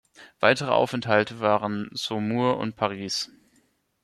Weitere Aufenthalte waren Saumur und Paris.